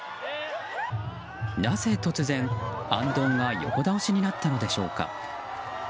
なぜ突然あんどんが横倒しになったのでしょうか。